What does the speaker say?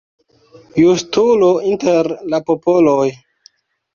Justulo inter la popoloj.